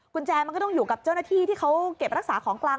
คุณแจมันก็ต้องอยู่กับเจ้าหน้าที่ที่เขาเก็บรักษาของกลาง